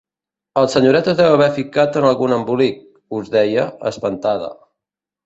El senyoret es deu haver ficat en algun embolic –us deia, espantada–.